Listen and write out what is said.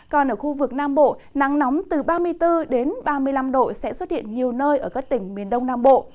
còn ở khu vực nam bộ nắng nóng từ ba mươi bốn đến ba mươi năm độ sẽ xuất hiện nhiều nơi ở các tỉnh miền đông nam bộ